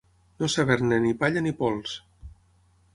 No saber-ne ni palla ni pols.